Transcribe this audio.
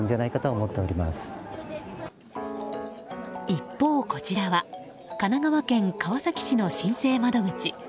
一方、こちらは神奈川県川崎市の申請窓口。